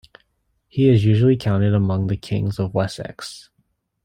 He is usually counted among the Kings of Wessex.